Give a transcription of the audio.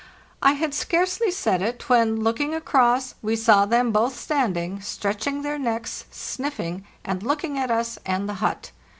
I had scarcely said it, when, looking across, we saw them both stand ing, stretching their necks, sniffing, and looking at us and the hut.